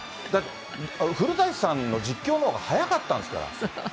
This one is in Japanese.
古舘さんの実況のほうが早かったんですから。